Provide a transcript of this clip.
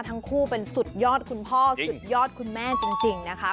ทั้งคู่เป็นสุดยอดคุณพ่อสุดยอดคุณแม่จริงนะคะ